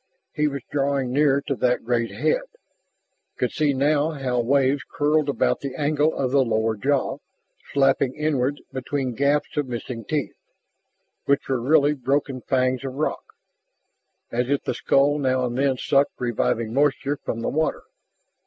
He was drawing nearer to that great head, could see now how waves curled about the angle of the lower jaw, slapping inward between gaps of missing teeth which were really broken fangs of rock as if the skull now and then sucked reviving moisture from the water.